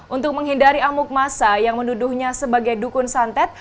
untuk menghindari amuk masa yang menuduhnya sebagai dukun santet